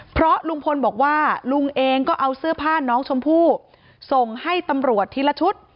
เพราะลุงพลบอกว่าลุงเองก็เอาเสื้อผ้าน้องชมพู่ส่งให้ตำรวจทีละชุด